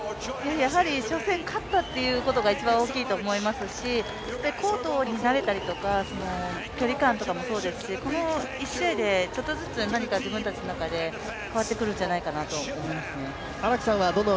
やはり初戦勝ったということが一番大きいと思いますしコートに慣れたりとか、距離感とかもそうですし、この１試合でちょっとずつ何か自分たちの中で変わってくるんじゃないかなと思いますね。